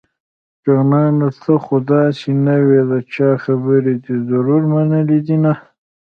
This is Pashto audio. جانانه ته خو داسې نه وي د چا خبرې دې ضرور منلي دينه